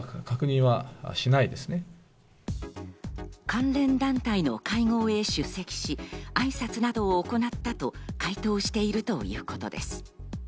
関連団体の会合へ出席し、挨拶などを行ったと回答しているということです。